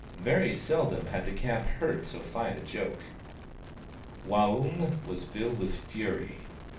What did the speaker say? Very seldom had the camp heard so fine a joke. Waung was filled with fury.